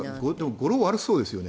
語呂が悪そうですよね。